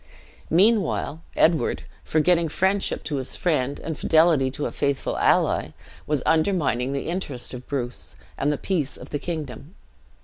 "Meanwhile Edward, forgetting friendship to his friend, and fidelity to a faithful ally, was undermining the interest of Bruce, and the peace of the kingdom.